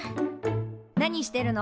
何してるの？